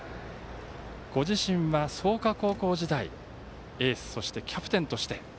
ご自身は、創価高校時代エース、そしてキャプテンとして。